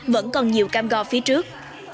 vẫn còn nhiều cam go phía trước